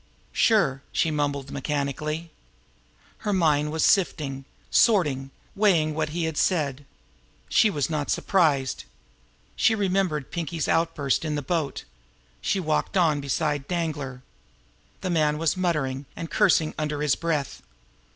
"Sure!" she mumbled mechanically. Her mind was sifting, sorting, weighing what he had said. She was not surprised. She remembered Pinkie Bonn's outburst in the boat. She walked on beside Danglar. The man was muttering and cursing under his breath.